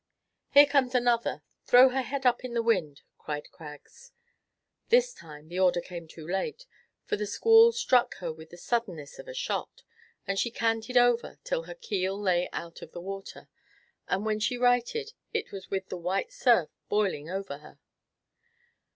"Here comes another; throw her head up in the wind," cried Craggs. This time the order came too late; for the squall struck her with the suddenness of a shot, and she canted over till her keel lay out of water, and, when she righted, it was with the white surf boiling over her.